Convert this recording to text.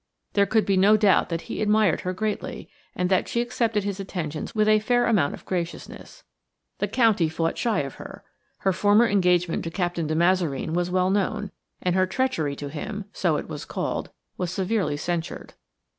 There could be no doubt that he admired her greatly, and that she accepted his attentions with a fair amount of graciousness. The county fought shy of her. Her former engagement to Captain de Mazareen was well known, and her treachery to him–so it was called–was severely censured.